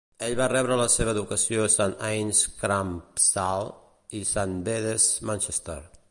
Ell va rebre la seva educació a St Anne's, Crumpsall, i St Bede's, Manchester.